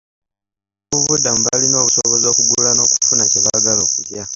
Abanoonyiboobubudamu balina obusobozi okugula n'okufuna kye baagala okulya.